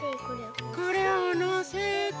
これをのせて。